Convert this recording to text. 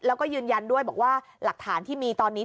แล้วก็ยืนยันด้วยบอกว่าหลักฐานที่มีตอนนี้